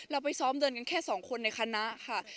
เราไปซ้อมเดินกันแค่สองคนในคณะค่ะ